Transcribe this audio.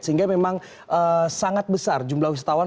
sehingga memang sangat besar jumlah wisatawan